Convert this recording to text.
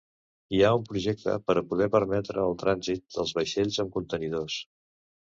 Hi ha un projecte per a poder permetre el trànsit dels vaixells amb contenidors.